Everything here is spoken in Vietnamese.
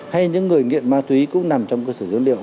hay những người nghiện ma túy cũng nằm trong cơ sở dữ liệu